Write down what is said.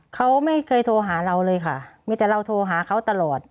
เขาไม่เคยโทรหาเราเลยค่ะมีแต่เราโทรหาเขาตลอด